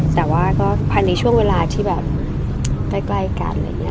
แต่ว่าก็ภายในช่วงเวลาที่แบบใกล้กันอะไรอย่างนี้